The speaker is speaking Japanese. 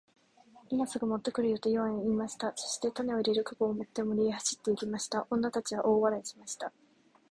「今すぐ持って来るよ。」とイワンは言いました。そして種を入れる籠を持って森へ走って行きました。女たちは大笑いしました。